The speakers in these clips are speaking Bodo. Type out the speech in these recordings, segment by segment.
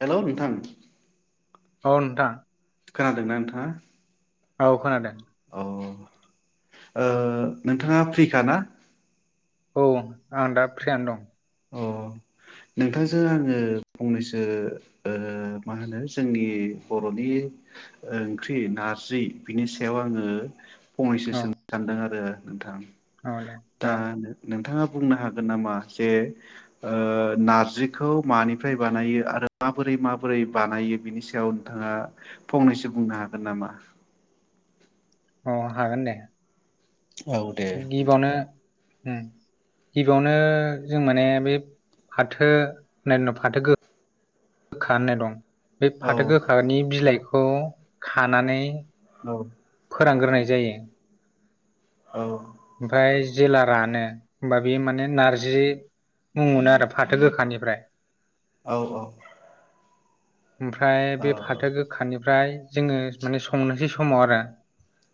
हेल' नोंथां। अ नोंथां। खोनादोंना नोंथाङा औ खोनादों। अ ओ नोंथाङा फ्रिखा ना? औ आं दा फ्रियानो दं। अ नोंथांजों आङो फंनैसो ओ मा होनो जोंनि बर'नि ओंख्रि नारजि बिनि सायाव आङो फंनैसो औ सोंनो सानदों आरो। नोंथां औ दे दा नोंथाङा बुंनो हागोन नामा जे ओ नारजिखौ मानिफ्राय बानायो आरो माबोरै माबोरै बानायो बिनि सायाव नोंथाङा फंनैसो बुंनो हागोन नामा? अ हागोन दे। औ दे गिबियावनो गिबियावनो जों माने बे फाथो होननाय फाथोगो गोखा होननाय दं बे औ फाथो गोखानि बिलाइ औ खानानै औ फोरान ग्रोनाय जायो। औ। ओमफ्राय जेला रानो ओमबा बे माने नारजि मुं मोनो आरो फाथो गोखानिफ्राय औ औ। ओमफ्राय बे फाथो गोखानिफ्राइ जोङो माने संनोसै समाव आरो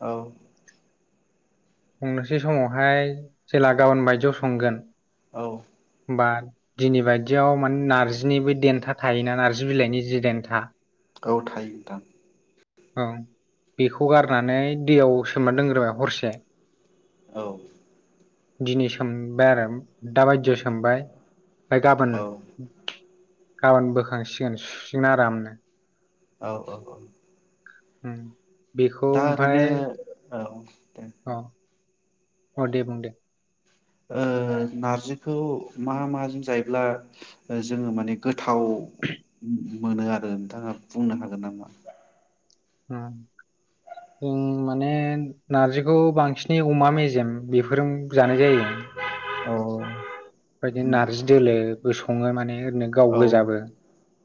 औ। संनोसै समावहाय जेला गाबोन बायदिआव संगोन औ। बाद दिनै बायदियाव माने नार्जिनि बै देन्था थायोना नार्जि बिलाइनि जि देन्था औ थायो नोंथां औ बेखौ गारनानै दैयाव सोमना दोनग्रोबाय हरसे औ। दिनै सोमबाय आरो दाबायदियाव सोमबाय फाय गाबोन औ गाबोन बोखांसिगोन सुसिगोन आरामनो औ ओ औ। उम दा ओरैनो ओ अह अदे बुंदे ओ नारजिखौ माहा माहाजों जायोब्ला ओ-जोङो माने गोथाव उम मोनो आरो नोंथाङा बुंनो हागोन नामा? उम ओं माने नारजिखौ बांसिनै अमा मेजेम बेफोरजों जानाय जायो। औ। बायदि नार्जि दोलो बो सङो माने नो गाव औ गोजाबो।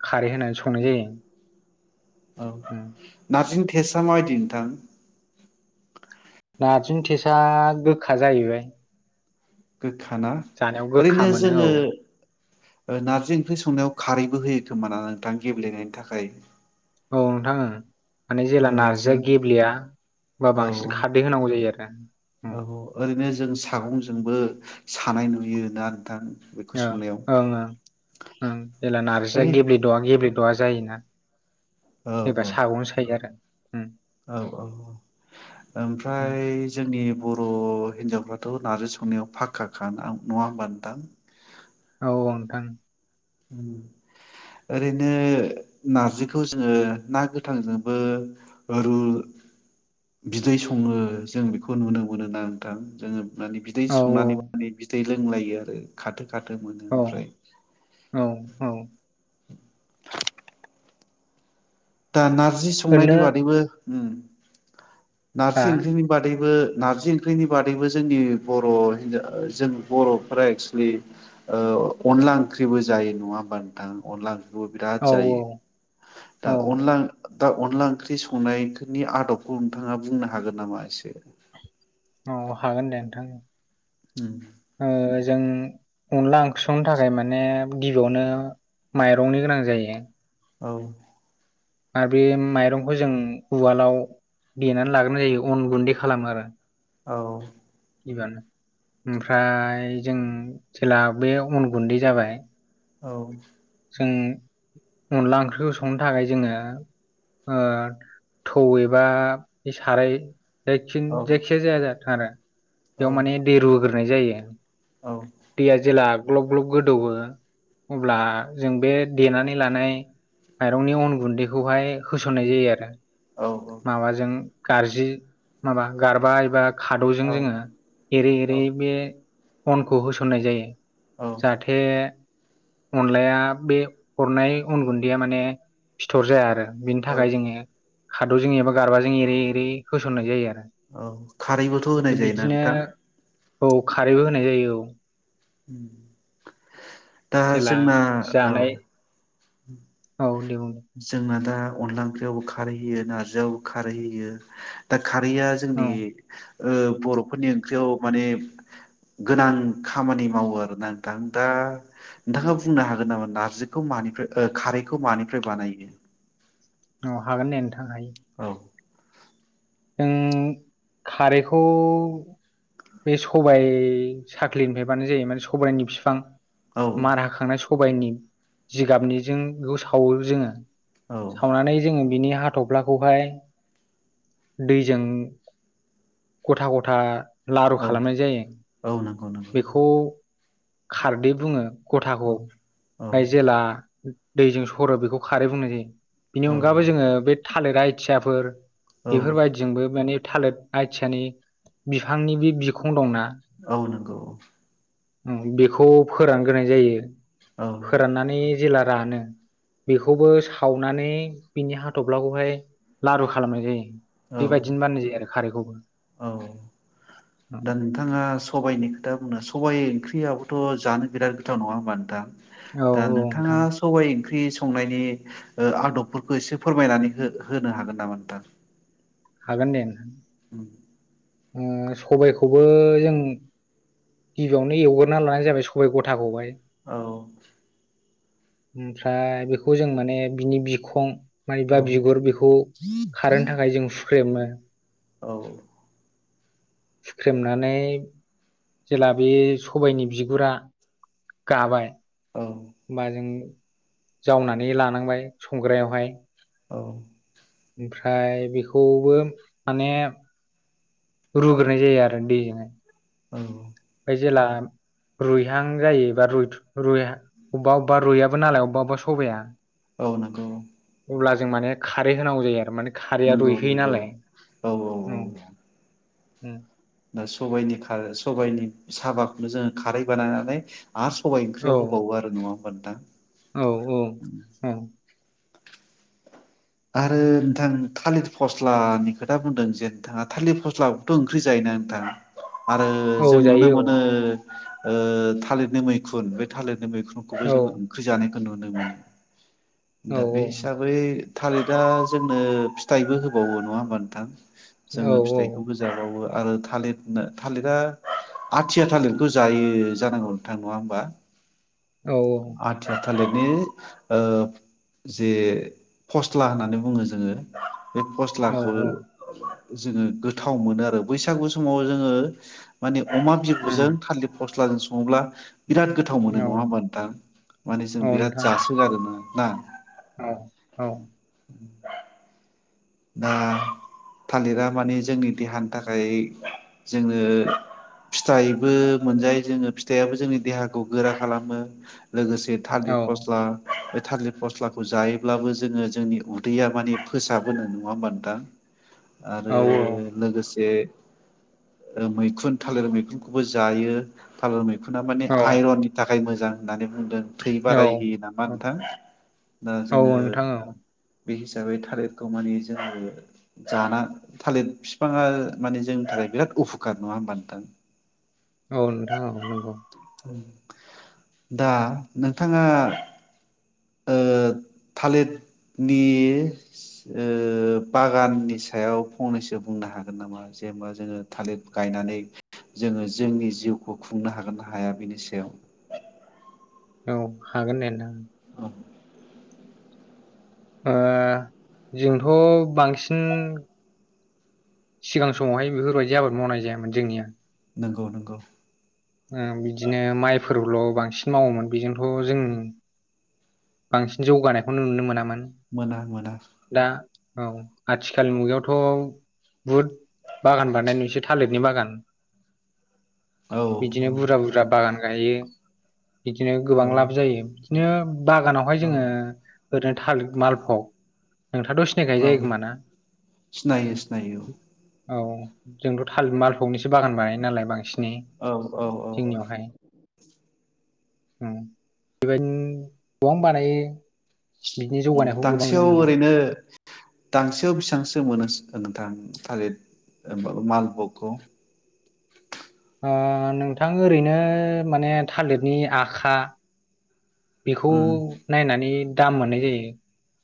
खारै होनानै संनाय जायो उम। टेसा मायदि नोंथां नार्जिनि टेसाया गोखा जाहैबाय। गोखाना जानायाव गोखा ओरैनो मोनो औ जोङो ओ नार्जि ओंख्रि संनायाव खारैबो होयो खोमाना नोंथां गेब्लेनायनि थाखाय? औ नोंथां ओ माने ओ जेला नार्जिया जों गेब्लेया ओमबा बांसिन औ खारदै होनांगौ जायो आरो ना उम। औ ओरैनो जों सागंजोंबो सानाय नुयो ना नोंथां। बेखौ ओं संनायाव ओं ओं ओं जेला नार्जिया ओरै गेब्लेद'आ गेब्लेद'आ जायोना। औ जेबा साग'नो सायो आरो। उम औ औ उम ओमफ्राय जोंनि बर' हिनजावफ्रा थ' नारजि संनायाव फाखाखा [unintelligible] नङा होमबा नोंथां औ औ नोंथां। ओरैनो नारजिखौ जोङो ना गोथांजोंबो रु [inaudible] बिदै सङो जों बेखौ नुनो मोनो ना नोंथां जोङो माने बिदै औ संनानै माने बिदै लोंलायो आरो खाथो खाथो मोनो औ ओमफ्राय औ औ दा ना नारजि ओरैनो संनायनि बादैबो ओम हा नारजि ओंख्रिनि बादैबो नारजि ओंख्रिनि बादैबो जोंनि बर' हिनजाव जों बर'फोरा एक्सुुलि अनला ओंख्रिबो जायो नङा होमबा नोंथां अनला खौबो बिराद औ जायो दा औ अनला दा अनला ओंख्रि संनायफोरनि आदबखौ नोंथाङा बुंनो हागोन नामा एसे? औ हागोन दे नोंथां ओ जों अनला ओंख्रि संनो थाखाय माने गिबियावनो माइरंनि गोनां जायो। औ आर बे माइरंखौ जों उवालाव देनानै लाग्रोनाय जायो अन गुन्दै खालामो आरो। औ एबानो ओमफ्राय जों जेला बे अन गुन्दै जाबाय औ जों अनला ओंख्रिखौ संनो थाखाय जोङो ओ थौ एबा बे साराय जायखि औ जायखिजाया जाया जाथों आरो औ बेयाव माने दै रु नाय जायो। दैया जेला ग्लब ग्लब गोदौवो अब्ला जों बे देनानै लानाय माइरंनि अन गुन्दैखौहाय होसननाय जायो आरो। माबाजों गारजि माबा गारबा एबा खादौजों औ औ जोङो एरै एरै बे बनखौ होसननाय जायो औ जाथे अन लाया बे हरनाय उन गुन्दैया माने फिथर जाया आरो बिनि थाखाय जोङो खादौ जों एबा गारबाज जों एरै एरै होसननाय जायो आ औ खारैबोथ' होनाय जायोना नोंथां औ खारैबो होनाय जायो औ [unintelligible] दा जेला जोंना औ जानाय [unintelligible] औ दे बुं जोंना थ दा अनला ओंख्रियावबो खारहैयो नारजियावबो खारैहैयो दा खारैया औ जोंनि ओ बर'फोरनि ओंख्रियाव माने गोनां खामानि मावो आरोना नोंथां दा नोंथाङा बुंनो हागोन नामा नारजिखौ मानिफ्राय ओ खारैखौ मानि फ्राय बानायो अह हागोन दे नोंथ आं हायो औ जों खारैखौ बे सबाय साख्लिनिफाय बानायनाय जायो माने सबाइनि फिफां औ मारा होखांनाय स सबाइनि जिगाबनिजों बेखौ सावो जोङो औ सावनानै जोङो बिनि हाथ'ब्लाखौहाय दैजों गथा गथा लारु औ खालामनाय जायो औ नंगौ नंगौ बेखौ खारदै बुङो औ ग'थाखौ औ गाय जेला [unintelligible] दैजों सरो बेखौ खारै बुंनाय जायो बिनि औ अनगाबो जोङो बे थालिर आइथियाफोर औ बेफोरबायदिजोंबो माने थालिर आथियानि बिफांनि बे बिखं दंना औ नंगौ [inaudible] उम बेखौ फोरानग्रोनाय जायो औ फोराननानै जेला रानो बेखौबो सावनानै बिनि हाथफ्लाखौहाय लारु खालामनाय जायो औ बेबायदिनो बाननाय जायो आरोखि खारैखौबो औ दा औ नोंथाङा सबाइनिखौ दा सबाइ ओंख्रियाबोथ' जानो बिराद गोथाव नङा होमबा नोंथां औ दा नोंथाङा नोंथां सबाइ ओंख्रि संनायनि ओ आदबफोरखौ एसे फोरमायनानै हो होनो हागोन नामा नोंथां हागोन दे [unintelligible] ओ सबायखौबो जों गिबियावनो एवग्रोना लानाय जाबाय सबाय गथाखौहाय औ ओमफ्राय बेखौ जों माने बिनि बिखं औ मानिबा बिगुर बेखौ खारनो थाखाय जों [unintelligible] औ थुख्रेमनानै जेला बे सबायनि बिगुरा गाबाय औ होनबा जों जावनानै लानांबाय संग्रायावहाय औ ओमफ्राय बेखौबो माने रुग्रोनाय जायो आरो दैजोंनो औ जेला रुइहां जायो एबा रुइइ अबेबा अबेबा रुइयाबो नालाय अबेबा अबेबा सबाइाया औ नांगौ औ अब्ला जों माने खारै होनांगौ जायो आरो माने खारैया नंगौ रुइहोयो नंगौ नालाय औ औ औ ओम दा सबायनि खार सबायइनि साबाखौनो जोङो खारै बानायनानै आरो सबाय ओंख्रियाव होबावो आरो नङा होनोमब्लानो दा औ औ आरो नोंथां थालिर फस्लानि खोथा बुंदों जे नोंथाङा थालिर फस्लाखौथ' ओंख्रि जायोना नोंथाङा आरो औ जों नुनो जायो मोनो ओ थालिरनि मैखुन बे थालिर मैखुनखौबो औ जों ओंख्रि जानाय नुनो मोनो। औ दा बे हिसाबै थालिरा जोंनो फिथाइबो होबावो नङा होमबा नोंथां। औ जोङो फिथाइखौबो जाबावो। आरो थालिर थालिरा आथिया थालिरखौ जायो जानांगौ नोंथां नङा होमबा। औ औ। आथिया थालिरनि ओ जे फस्ला होननानै बुङो जोङो। बे औ फस्लाखो औ जोङो गोथाव मोनो आरो बैसागु समाव जोङो माने अमा उम बिबुजों थालिर फस्ला फस्लाजों सङोब्ला बिराद गोथाव मोनो औ नङा होमबा। नोंथां माने जों बिराद नोंथां जासोगारो ना नोंथां। ना। औ औ। दा थालिरा माने जोंनि देहानि थाखाय जोङो फिथाइबो मोनजायो जोङो फिथाइयाबो जोंनि देहाखौ गोरा खालामो। लोगोसे औ थालिर फस्ला थालिर फस्लाखौ जायोब्लाबो जोङो जोंनि उदैया माने फोसाबो नो नङा होनबा नोंथां। आरो औ लोगोसे मैखुन थालिर मैखुनखौबो जायो थालिर मै खुना माने औ आइरननि थाखाय थाखाय मोजां होननानै बुंदों थै औ बारायहोयो नामा औ नोंथां दा औ जोङो नोंथां बे हिसाबै थालिर खौ माने जोङो जाना थालिर बिफाङा माने जोंनि थाखाय बिराद उप'कार नङा होमबा नोंथां। औ नोंथां औ नंगौ। दा नोंथाङा ओ थालिरनि ओ बागाननि सायाव फंनैसो बुंनो हागोन नामा जेनेबा जोङो थालिर गायनानै जोङो जोंनि जिउखौ खुंनो हागोना हाया बिनि सायाव औ हागोन दे नोंथां। औ ओ जोंथ' बांसिन सिगां समावहाय बेफोरबायदि आबाद मावनाय जायामोन जोंनिया। नंगौ नंगौ। ओ बिदिनो माइफोरल' बांसिन मावोमोन बेजोंथ' जों बांसिन जौगानायखौनो नुनो मोनामोन। मोना मोना। दा औ आथिखालनि मुगायावथ' बुहुद बागान बानाय नुसै थालिरनि बागान औ बिदिनो औ बुरजा बुरजा बागान गायो [inaudible] बिदिनो गोबां औ लाब जायो दिनो बागानावहाय औ जोङो ओरैनो थालिर मालफ'ग नोंथाङाथ' सिनाय खायो औ जायो खोमा ना? सिनायो सिनायो औ जोंथ' थालिर मालफ'गनिसो बागान बानायो नालाय बांसिन औ औ औ औ ओम बेबायदिनो बावनो बानायो बिनि जौगानायखौ गोबां नुनो दांसेयाव मोनो ओरैनो दांसेयाव बेसेबांसो मोनो नोंथां? थालिद ओ माबा मालफगखौ ओ नोंथां ओरैनो माने थालिरनि आखा बेखौ औ नायनानै दाम मोननाय जायो।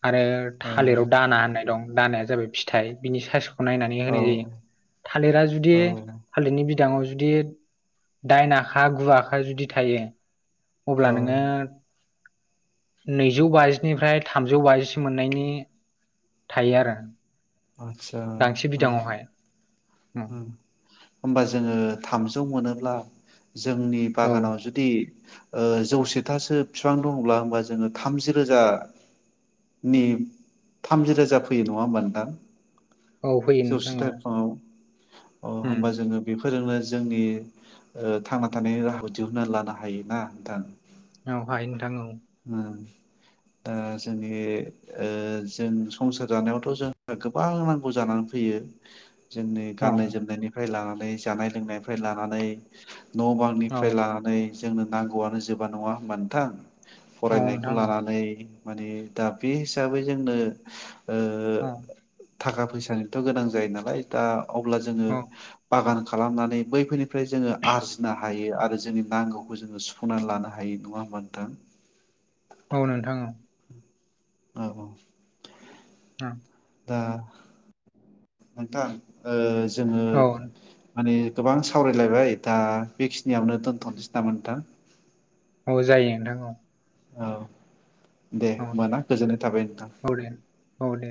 आरो थालिराव दाना होननाय दं। दानाया जाबाय फिथाइ बिनि सायस' नायनानै औ होनाय जायो थालिरा जुदि औ थालिरनि बि दांङाव जुदि दाइन आखा गु आखा जुदि थायो अब्ला औ नोङो नैजौ बाजिनिफ्राय थामजौ बाजिसो मोननायनि थायो आरो आतसा गांसे बिदाङावहाय उम, होमबा जोङो थामजौ मोनोब्ला जोंनि औ बागानाव जुदि ओ जौसेथासो बिफां दङब्ला होमबा जोङो थामजि रोजानि थामजि रोजा फैयो नङा होमबा नोंथां? औ फैयो नोंथां जौसेथा औ बिफाङाव अ उम, होमबा जोङो बे फोरजोंनो जोंनि ओ थांना थानायनि राहाखौ दिहना लानो हायो ना नोंथां। औ हायो नों ओ दा जोंनि ओ‌ जों संसार जानायावथ' जोंहा गोबां नांगौ जानानै फैयो। जोंनि औ गाननाय जोमनायनिफ्राय लानानै नै जानाय लोंनायनिफ्राय लानानै न' औ बांनिफ्राय लानानै जोंनो नांगौआनो जोबा नङा होमबा नोंथां? औ फरायनायखौ नोंथां औ लानानै माने दा बे हिसाबै जोंनो ओ औ। थाखा फैसानिथ' गोनां जायो नालाय दा। अब्ला जोङो औ बागान। खालामनानै बैफोरनिफ्राय जोङो आरजिनो हायो आरो जोंनि नांगौखौ जोङो सुफुंनानै लानो हायो नङा होमबा नोंथां। औ नोंथां औ। औ औ। औ। दा नोंथां। जोङो औ माने। गोबां सावरायलायबाय दा बेखिनियावनो दोन्थ'नोसै नामा नोंथां। औ जायो नोंथां औ। औ। दे औ होमबा ना गोजोननाय थाबाय नोंथां। औ दे औ दे